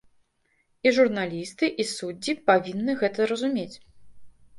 І журналісты, і суддзі павінны гэта разумець.